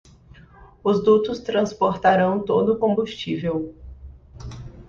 Os dutos transportarão todo o combustível